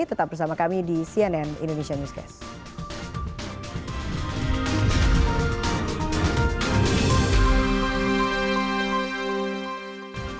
tetap bersama kami di cnn indonesia newscast